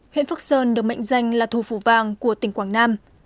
huyện phước sơn được mệnh danh là thù phu vàng của tỉnh quảng nam